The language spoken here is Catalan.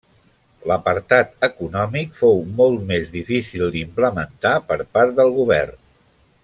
L'apartat econòmic fou molt més difícil d'implementar per part del govern.